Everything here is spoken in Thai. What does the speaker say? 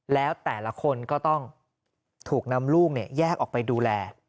แล้วแต่ละคนก็ต้องถูกนำลูกแยกออกไปดูแล